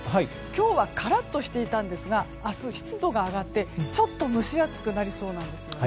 今日はカラッとしていたんですが明日、湿度が上がってちょっと蒸し暑くなりそうなんです。